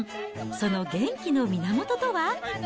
その元気の源とは。